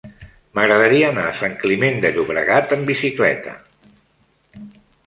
M'agradaria anar a Sant Climent de Llobregat amb bicicleta.